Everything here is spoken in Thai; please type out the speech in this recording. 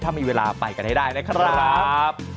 ถ้ามีเวลาไปกันให้ได้นะครับ